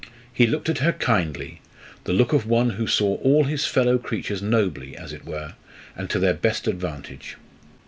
He looked at her kindly, the look of one who saw all his fellow creatures nobly, as it were, and to their best advantage.